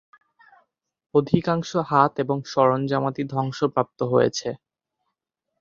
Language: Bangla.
অধিকাংশ হাত এবং সরঞ্জামাদি ধ্বংসপ্রাপ্ত হয়েছে।